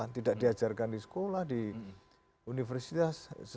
tidak diajarkan di sekolah di universitas